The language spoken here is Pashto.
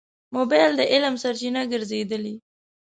موبایل د علم سرچینه ګرځېدلې.